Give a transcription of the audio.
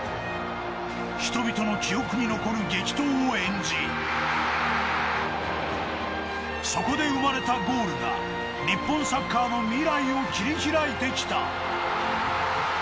人々の記憶に残る激闘を演じ、そこで生まれたゴールが、日本サッカーの未来を切り開いてきた。